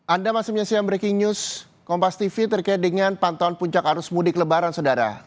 anda masih menyaksikan breaking news kompas tv terkait dengan pantauan puncak arus mudik lebaran saudara